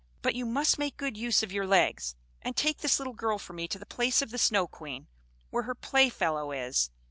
But you must make good use of your legs; and take this little girl for me to the palace of the Snow Queen, where her playfellow is.